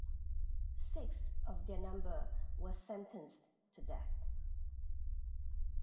Six of their number were sentenced to death.